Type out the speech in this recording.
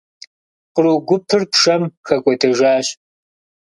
Къру гупыр пшэм хэкӏуэдэжащ.